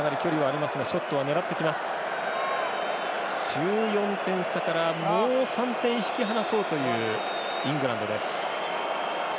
１４点差からもう３点、引き離そうというイングランドです。